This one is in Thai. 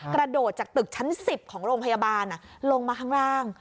กระโดดจากตึกชั้น๑๐ของโรงพยาบาลลงมาข้างล่าง